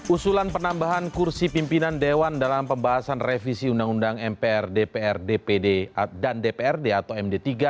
usulan penambahan kursi pimpinan dewan dalam pembahasan revisi undang undang mpr dpr dpd dan dprd atau md tiga